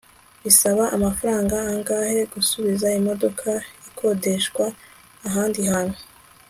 bisaba amafaranga angahe gusubiza imodoka ikodeshwa ahandi hantu